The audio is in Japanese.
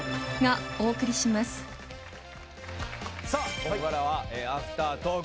ここからはアフタートーク。